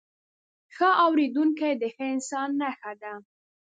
ښه اورېدونکی، د ښه انسان نښه ده.